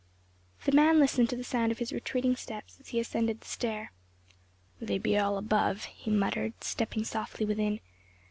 The man listened to the sound of his retreating steps as he ascended the stair. "They be all above," he muttered, stepping softly within.